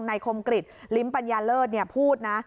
นายคมกฤษลิมปัญญาเลิศเนี่ยพูดนะ